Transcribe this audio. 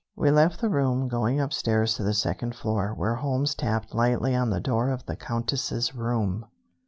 We left the room, going upstairs to the second floor, where Holmes tapped lightly on the door of the Countess's room.